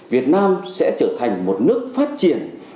việt nam sẽ trở thành một nước phát triển